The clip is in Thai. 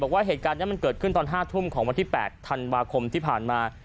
บอกว่าเหตุการณ์นี้มันเกิดขึ้นตอน๕ทุ่มของวันที่๘ธันวาคมที่ผ่านมา